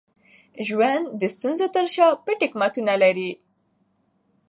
ژوند د ستونزو تر شا پټ حکمتونه لري.